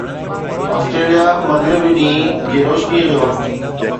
Australia مغربي ڏينهن جي روشني جو وقت